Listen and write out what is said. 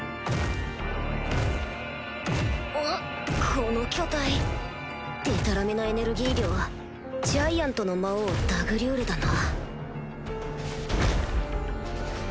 この巨体デタラメなエネルギー量ジャイアントの魔王ダグリュールだな